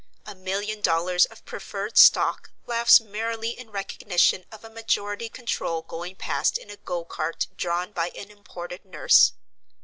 A million dollars of preferred stock laughs merrily in recognition of a majority control going past in a go cart drawn by an imported nurse.